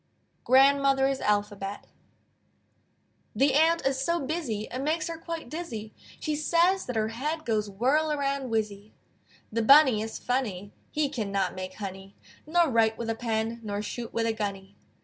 GRANDMOTHER'S ALPHABET The Ant is so busy It makes her quite dizzy, She says that her head Goes whirl around whizzy. The Bunny is funny; He cannot make honey, Nor write with a pen, Nor shoot with a gunny.